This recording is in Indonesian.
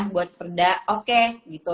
buat perda oke gitu